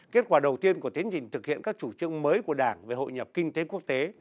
kết quả đầu tiên của tiến trình thực hiện các chủ trương mới của đảng về hội nhập kinh tế quốc tế